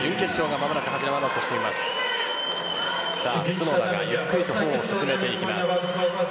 角田がゆっくりと歩を進めていきます。